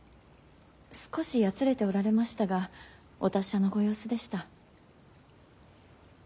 少しやつれておられましたがお達者のご様子でした。